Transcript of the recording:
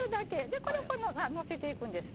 でこれをのせていくんです。